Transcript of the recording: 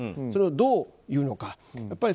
それをどう言うのか。